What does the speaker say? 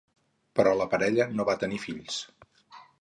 Però la parella no va tenir fills.